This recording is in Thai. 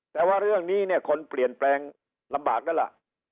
แต่ว่าเรื่องนี้เนี่ยคนเปลี่ยนแปลงลำบากแล้วล่ะ